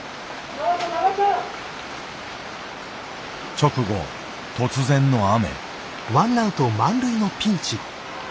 直後突然の雨。